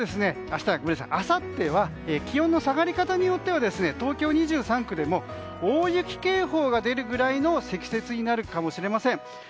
あさっては気温の下がり方によっては東京２３区でも大雪警報が出るぐらいの積雪になるかもしれません。